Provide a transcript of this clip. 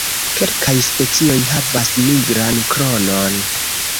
Kelkaj specioj havas nigran kronon.